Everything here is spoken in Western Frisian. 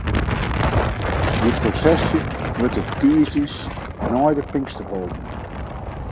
Dy prosesje wurdt de tiisdeis nei de Pinkster holden.